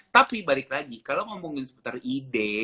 tapi balik lagi kalau ngomongin seputar ide